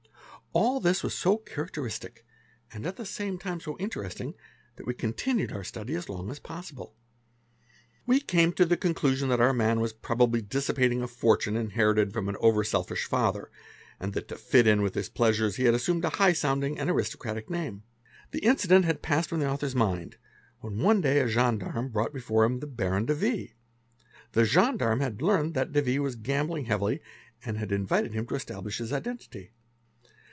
All this was so characteristic and at the same time so interesting, that we continued our study as long as possible; we came to the conclusion that our man was probably dissipating a fortune inherited from an over selfish father, and that to fit in with his pleasures he had assumed a high sounding and aristocratic name. 3 The incident had passed from the auther's mind when one day a gendarme brought before him " the Baron de V." The gendarme ha¢ learned that de V. was gambling heavily and had invited him to establisk his identity.